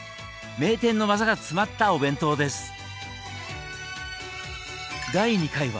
名店のワザが詰まったお弁当です。